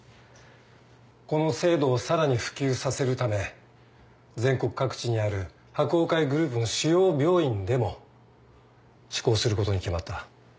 この制度をさらに普及させるため全国各地にある柏桜会グループの主要病院でも施行することに決まった